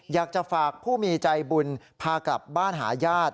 อยากจะฝากผู้มีใจบุญพากลับบ้านหาญาติ